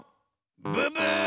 ブブー！